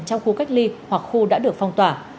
trong khu cách ly hoặc khu đã được phong tỏa